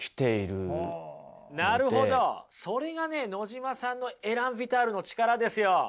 それがね野島さんのエラン・ヴィタールの力ですよ。